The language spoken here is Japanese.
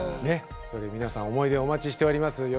皆さん思い出をお待ちしております。